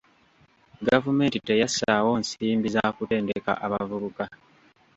Gavumenti teyassaawo nsimbi za kutendeka abavubuka.